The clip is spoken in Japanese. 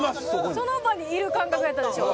その場にいる感覚やったでしょ。